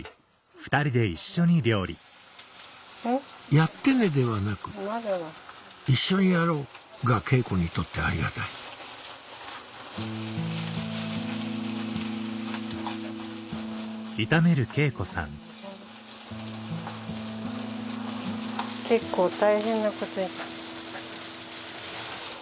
「やってね」ではなく「一緒にやろう」が敬子にとってありがたい結構大変なことに。